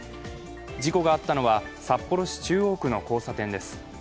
事故があったのは、札幌市中央区の交差点です。